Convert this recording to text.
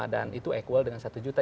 dan itu equal dengan satu juta